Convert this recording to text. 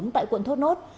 tại quận thốt nốt